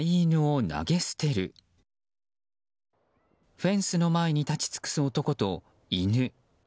フェンスの前に立ち尽くす男と犬。